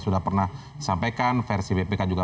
sudah pernah disampaikan versi bpk juga